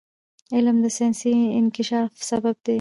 علم د ساینسي انکشاف سبب دی.